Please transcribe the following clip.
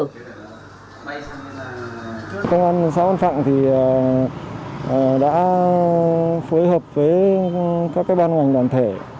công an xã văn phạng đã phối hợp với các ban ngành đoàn thể